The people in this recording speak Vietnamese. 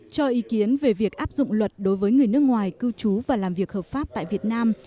cho ý kiến về việc áp dụng luật đối với người nước ngoài cư trú và làm việc hợp pháp tại việt nam